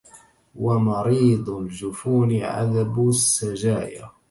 ومريض الجفون عذب السجايا